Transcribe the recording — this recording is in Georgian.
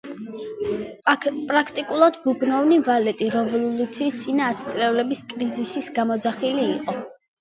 პრაქტიკულად „ბუბნოვი ვალეტი“ რევოლუციის წინა ათწლეულის კრიზისის გამოძახილი იყო.